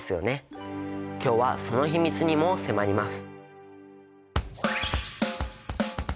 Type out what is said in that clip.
今日はその秘密にも迫ります。